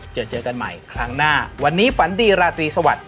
เจอเจอกันใหม่ครั้งหน้าวันนี้ฝันดีราตรีสวัสดิ